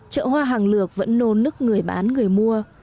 chợ hoa hàng lược vẫn nôn nức người bán người mua